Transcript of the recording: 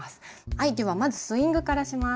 はいではまずスイングからします。